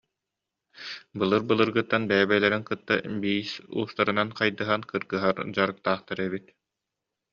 Былыр-былыргыттан бэйэ-бэйэлэрин кытта биис уустарынан хайдыһан кыргыһар дьарыктаахтар эбит